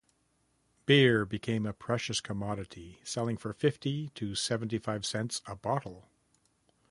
Beer became a precious commodity, selling for fifty to seventy-five cents a bottle.